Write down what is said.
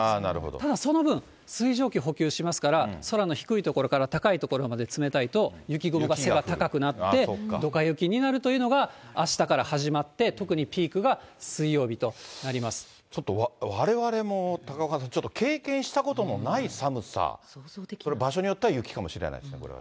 ただ、その分、水蒸気補給しますから、空の低い所から高い所まで冷たいと、雪雲が背が高くなって、どか雪になるというのがあしたから始まって、特にピークが水曜日ちょっとわれわれも高岡さん、ちょっと経験したことのない寒さ、これ、場所によっては雪かもしれないですね、これは。